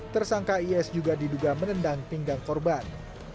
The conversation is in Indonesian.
tersangka is juga diduga menendang pinggang korban